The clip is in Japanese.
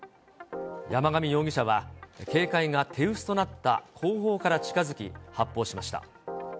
山上容疑者は、警戒が手薄となった後方から近づき、発砲しました。